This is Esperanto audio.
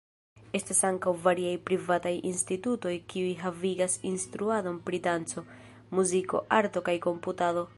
Estas ankaŭ variaj privataj institutoj kiuj havigas instruadon pri danco, muziko, arto kaj komputado.